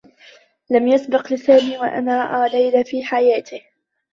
لم يسبق لسامي و أن رأى ليلى في حياته.